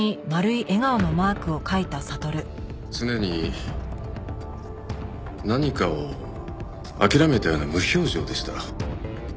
常に何かを諦めたような無表情でした。